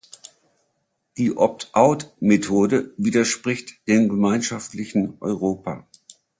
Die opt-out-Methode widerspricht dem gemeinschaftlichen Europa.